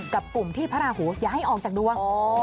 กับกลุ่มที่พระราหูอย่าให้ออกจากดวง